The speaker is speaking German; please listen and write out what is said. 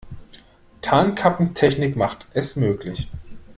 Tarnkappentechnik macht es möglich.